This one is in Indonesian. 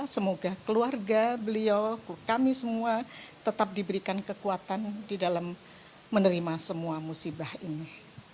semoga keluarga beliau kami semua tetap diberikan kekuatan di dalam menerima semua musibah ini